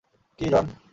কী, জন?